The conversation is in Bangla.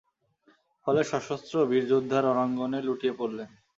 ফলে সশস্ত্র বীরযোদ্ধা রণাঙ্গনে লুটিয়ে পড়লেন।